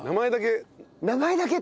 名前だけ。